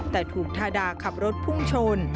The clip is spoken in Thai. แต่ถูกทาดาขับรถพุ่งชน